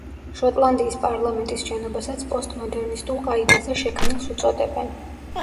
შოტლანდიის პარლამენტის შენობასაც პოსტმოდერნისტულ ყაიდაზე შექმნილს უწოდებენ.